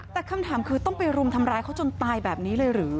แต่คำถามคือต้องไปรุมทำร้ายเขาจนตายแบบนี้เลยหรือ